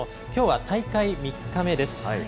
きょうは大会３日目です。